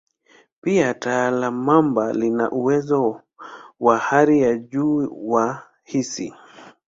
Pia, taya la mamba lina uwezo wa hali ya juu wa hisi.